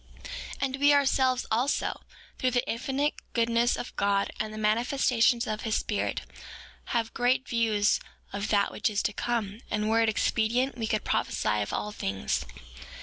5:3 And we, ourselves, also, through the infinite goodness of God, and the manifestations of his Spirit, have great views of that which is to come; and were it expedient, we could prophesy of all things.